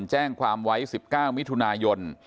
แจ้งความไว้๑๙มิถุนายน